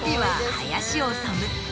林修。